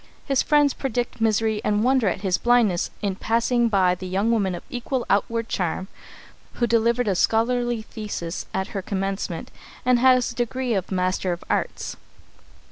His friends predict misery, and wonder at his blindness in passing by the young woman of equal outward charm who delivered a scholarly thesis at her commencement and has the degree of Master of Arts.